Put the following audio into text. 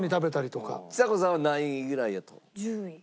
ちさ子さんは何位ぐらいやと？